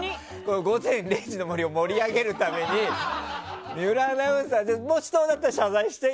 「午前０時の森」を盛り上げるために水卜アナウンサーが謝罪して。